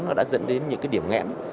nó đã dẫn đến những điểm nghẽm